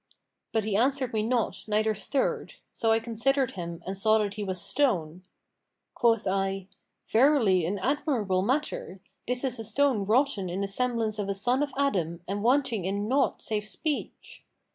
But he answered me not neither stirred; so I considered him and saw that he was stone. Quoth I, 'Verily an admirable matter! This is a stone wroughten in the semblance of a son of Adam and wanting in naught save speech!'